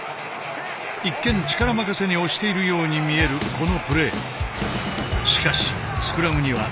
一見力任せに押しているように見えるこのプレー。